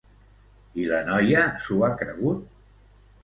I la noia s'ho ha cregut?